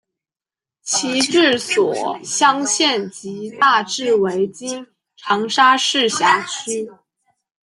其治所湘县即大致为今长沙市辖区。